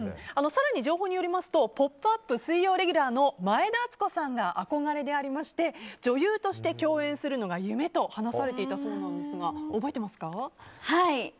更に情報によりますと「ポップＵＰ！」水曜レギュラーの前田敦子さんが憧れでありまして女優として共演するのが夢と話されていたそうなんですがはい。